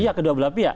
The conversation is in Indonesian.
iya kedua belah pihak